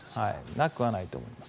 なくはないと思います。